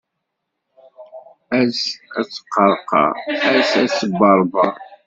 Ass ad teqqerqer, ass ad tebbeṛbeṛ.